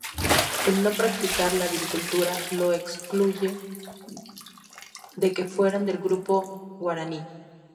El no practicar la agricultura, los excluye de que fueran del grupo guaraní.